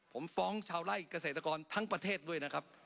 ผมฟ้องชาวไล่เกษตรกรทั้งประเทศด้วยนะครับ